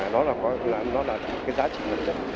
nó là cái giá trị nhất nhất